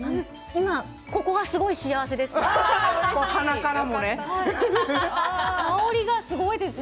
今、ここがすごい幸せです。